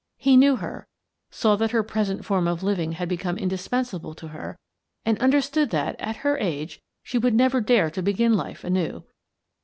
He knew her, saw that her present form of living had become indispensable to her, and understood that, at her age, she would never dare to begin life anew.